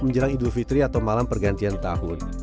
menjelang idul fitri atau malam pergantian tahun